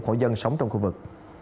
khổ dân sống trong khu vực